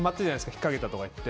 ひっかけたとかいって。